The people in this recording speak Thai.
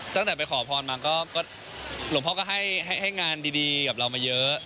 ตั้งแต่ไปขอพรมาก็หลวงพ่อก็ให้งานดีกับเรามาเยอะ